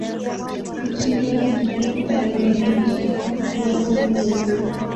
kuchinjwa kitukufu alidhihisha kuwa siku zote